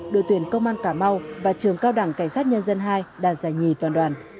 đội tuyển công an cà mau và trường cao đẳng cảnh sát nhân dân hai đạt giải nhì toàn đoàn